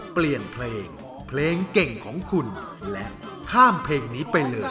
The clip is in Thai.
เปลี่ยนเพลงเพลงเก่งของคุณและข้ามเพลงนี้ไปเลย